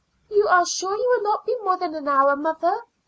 "You are sure you will not be more than an hour, mother?"